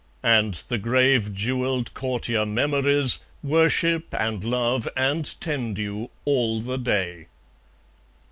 And the grave jewelled courtier Memories Worship and love and tend you, all the day.